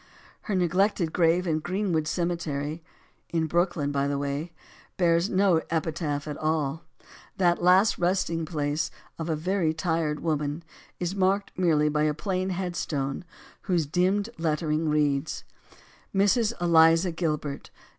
Her neglected grave in Greenwood Cemetery, in Brooklyn, by the way bears no epitaph at all. That last resting place of a very tired woman is marked merely by a plain headstone, whose dimmed letter ing reads: Mrs. Eliza Gilbert.